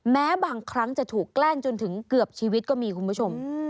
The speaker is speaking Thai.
แม้บางครั้งจะถูกแกล้งจนถึงเกือบชีวิตก็มีคุณผู้ชม